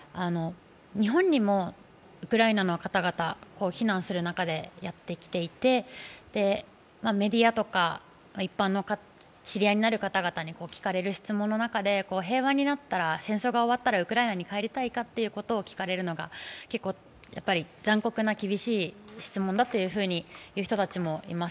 日本にもウクライナの方々、避難する中でやってきていて、メディアとか一般の知り合いになる方々から聞かれる質問の中で平和になったら、戦争が終わったらウクライナに帰りたいかと聞かれるのが結構、残酷な厳しい質問だと言う人もいます。